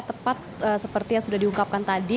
tepat seperti yang sudah diungkapkan tadi